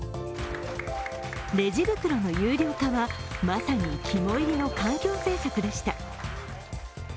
レジ袋の有料化はまさに肝煎りの環境政策でした。